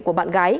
của bạn gái